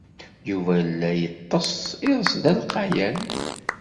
Yuba yella yeḍḍes iḍes d alqayan.